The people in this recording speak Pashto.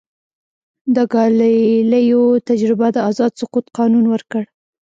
د ګالیلیو تجربه د آزاد سقوط قانون ورکړ.